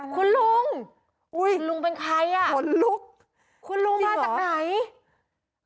คุณลุงคุณลุงเป็นใครอะคุณลุงมาจากไหนจริงเหรอ